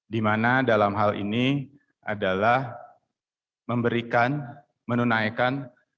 dimana dalam hal ini adalah memberikan menunaikan hak almarhum eril